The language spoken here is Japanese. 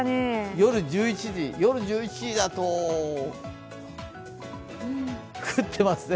夜１１時だと降ってますね。